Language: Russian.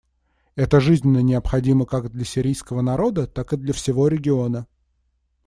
Это жизненно необходимо как для сирийского народа, так и для всего региона.